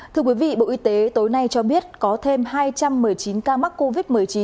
thưa quý vị bộ y tế tối nay cho biết có thêm hai trăm một mươi chín ca mắc covid một mươi chín